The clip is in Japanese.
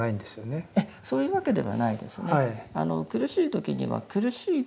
ええそういうわけではないですね。